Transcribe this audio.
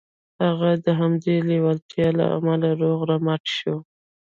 هغه د همدې لېوالتیا له امله روغ رمټ شو